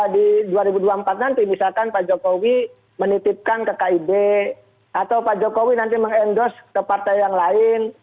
di dua ribu dua puluh empat nanti misalkan pak jokowi menitipkan ke kib atau pak jokowi nanti mengendorse ke partai yang lain